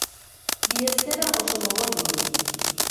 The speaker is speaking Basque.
Bi eszena oso gogor ditu.